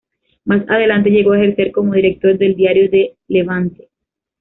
Más adelante llegó a ejercer como director del "Diario de Levante".